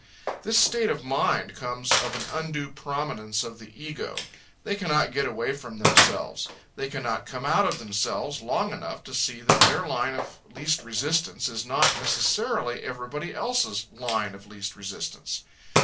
This state of mind comes of an undue prominence of the ego. They cannot get away from themselves. They cannot come out of themselves long enough to see that their line of least resistance is not necessarily everybody else's line of least resistance.